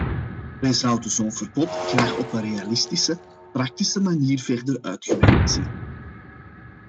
Wij zouden zo'n verbod graag op een realistische, praktische manier verder uitgewerkt zien.